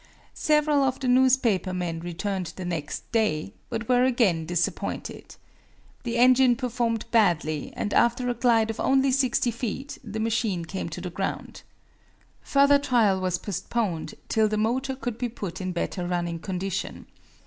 Several of the newspaper men returned the next day, but were again disappointed. The engine performed badly, and after a glide of only 60 feet, the machine came to the ground. Further trial was postponed till the motor could be put in better running condition.